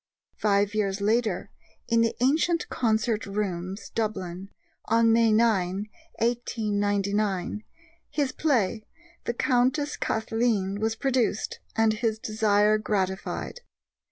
Five years later, in the Antient Concert Rooms, Dublin, on May 9, 1899, his play, The Countess Cathleen, was produced, and his desire gratified.